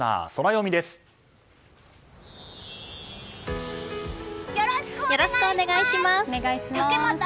よろしくお願いします！